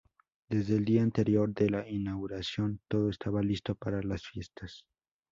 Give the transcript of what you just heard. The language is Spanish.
Desde el día anterior de la inauguración todo estaba listo para las fiestas.